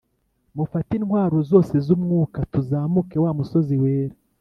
Mufate intwaro zoze zumwuka tuzamuke wamusozi wera